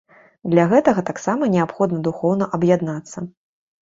Для гэтага таксама неабходна духоўна аб'яднацца.